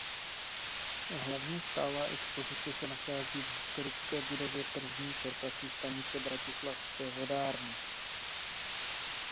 Hlavní stálá expozice se nachází v historické budově první čerpací stanice bratislavské vodárny.